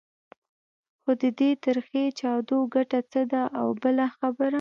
خو د دې تریخې چاودو ګټه څه ده؟ او بله خبره.